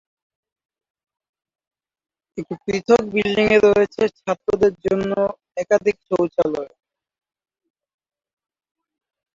একটি পৃথক বিল্ডিং-এ রয়েছে ছাত্রদের জন্য রয়েছে একাধিক শৌচালয়।